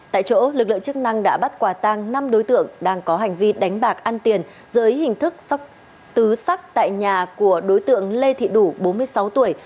tại chỗ lực lượng chức năng đã bắt quả tăng năm đối tượng đang có hành vi đánh bạc ăn tiền dưới hình thức sóc tứ sắc tại nhà của đối tượng lê thị đủ bốn mươi sáu tuổi